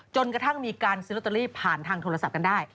จนกระทั่งมีการซื้อลอตเตอรี่ผ่านทางโทรศัพท์กันได้